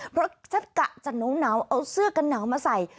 เพราะฉันกะจะหนาวเอาเสื้อกันหนาวมาใส่